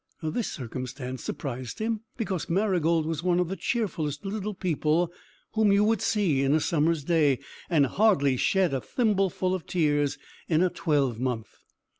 This circumstance surprised him, because Marygold was one of the cheerfullest little people whom you would see in a summer's day, and hardly shed a thimbleful of tears in a twelvemonth.